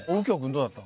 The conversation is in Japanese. どうだった？